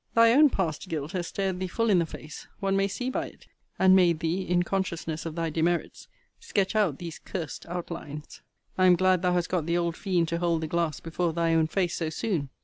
Thy own past guilt has stared thee full in the face, one may see by it; and made thee, in consciousness of thy demerits, sketch out these cursed out lines. I am glad thou hast got the old fiend to hold the glass* before thy own face so soon.